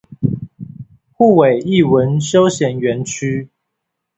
滬尾藝文休閒園區